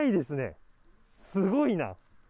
すごいな。